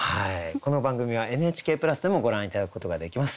この番組はＮＨＫプラスでもご覧頂くことができます。